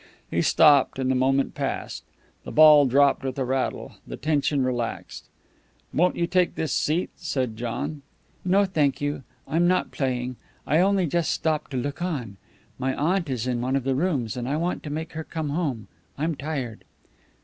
He stopped, and the moment passed. The ball dropped with a rattle. The tension relaxed. "Won't you take this seat?" said John. "No, thank you. I'm not playing. I only just stopped to look on. My aunt is in one of the rooms, and I want to make her come home. I'm tired."